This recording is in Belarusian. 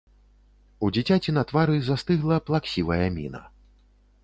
У дзіцяці на твары застыгла плаксівая міна.